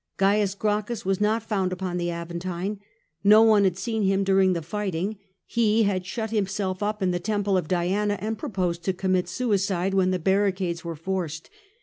Oaius Gracchus was not found upon the Aven tine. No one had seen him during the fighting : he had shut himself up in the temple of Diana, and proposed to commit suicide when the barricades were forced.